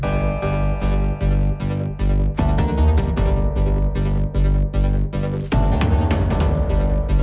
มีความรู้สึกว่ามีความรู้สึกว่ามีความรู้สึกว่า